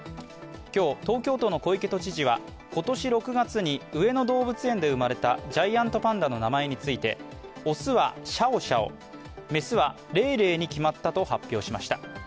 今日、東京都の小池都知事は今年６月に上野動物園で生まれたジャイアントパンダの名前について、雄はシャオシャオ、雌はレイレイに決まったと発表しました。